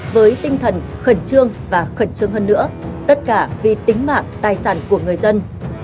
với tinh thần khẩn trương và khẩn trương hơn nữa tất cả vì tính mạng tài sản của người dân